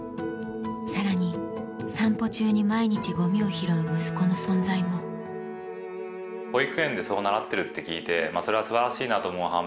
さらに散歩中に毎日ゴミを拾う息子の存在も保育園でそう習ってるって聞いてそれは素晴らしいなと思う半面